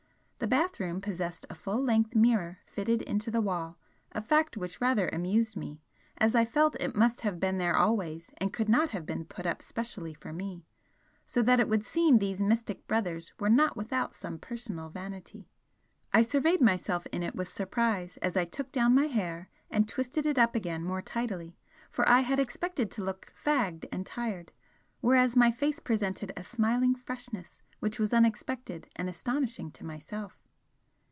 The bathroom possessed a full length mirror fitted into the wall, a fact which rather amused me, as I felt it must have been there always and could not have been put up specially for me, so that it would seem these mystic 'Brothers' were not without some personal vanity. I surveyed myself in it with surprise as I took down my hair and twisted it up again more tidily, for I had expected to look fagged and tired, whereas my face presented a smiling freshness which was unexpected and astonishing to myself.